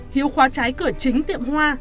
hiếu khóa trái cửa chính tiệm hoa